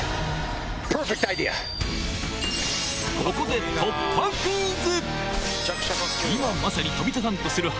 ここで突破クイズ！